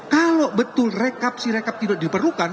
kalau betul rekap si rekap tidak diperlukan